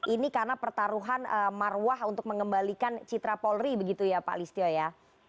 ini karena pertaruhan marwah untuk mengembalikan citra polri begitu ya pak listio ya